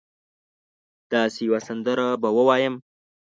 داسي یوه سندره به ووایم